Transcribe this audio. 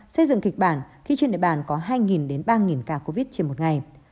xây dựng kịch bản khi trên địa bàn có hai đến ba ca covid trên một ngày